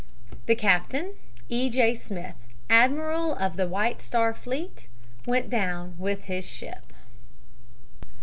The captain, E. J. Smith, admiral of the White Star fleet, went down with his ship.